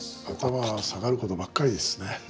頭の下がることばっかりですね。